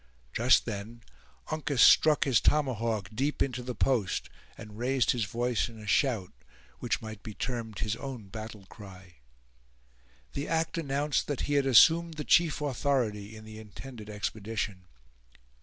Just then Uncas struck his tomahawk deep into the post, and raised his voice in a shout, which might be termed his own battle cry. The act announced that he had assumed the chief authority in the intended expedition.